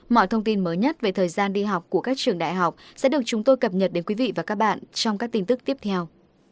mọi thông tin mới nhất về thời gian đi học của các trường đại học sẽ được chúng tôi cập nhật đến quý vị và các bạn trong các tin tức tiếp theo